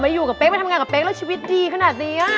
มาอยู่กับเป๊ะทำงานกับเป๊ะ๒๐๑๙๕๙๗และชีวิตดีขนาดดีอะ